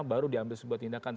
baru diambil sebuah tindakan